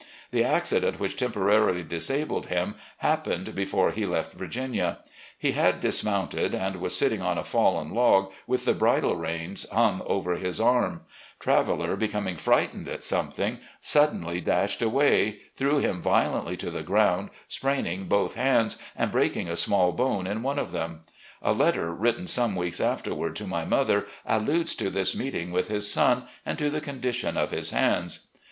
The accident which temporarily disabled him happened before he left Virginia. He had dismoimted, and was sitting on a fallen log, with the bridle reins hung over his arm. Travel ARMY LIFE OF ROBERT THE YOUNGER 79 let, becoming frightened at something, suddenly dashed away, threw him violently to the ground, spraining both hands and breaking a small bone in one of them, A letter written some weeks afterward to my mother alludes to this meeting with his son, and to the condition of his hands